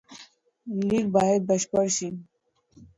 لیک باید بشپړ سي.